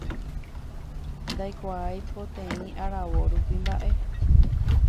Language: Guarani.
Ndaikuaái, poteĩ aravo rupi mba'e.